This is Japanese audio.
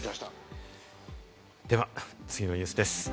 では次のニュースです。